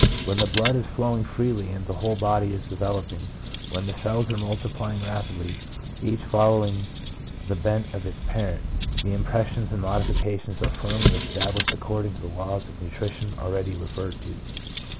When the blood is flowing freely and the whole body is developing, when the cells are multiplying rapidly, each following the bent of its parent, the impressions and modifications are firmly established according to the laws of nutrition already referred to.